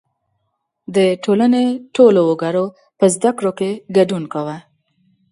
• د ټولنې ټولو وګړو په زدهکړو کې ګډون کاوه.